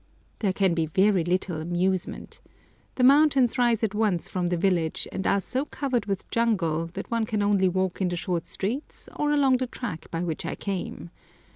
There can be very little amusement. The mountains rise at once from the village, and are so covered with jungle that one can only walk in the short streets or along the track by which I came.